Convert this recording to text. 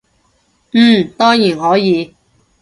嗯，當然可以